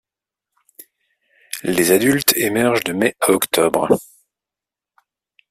Les adultes émergent de mai à octobre.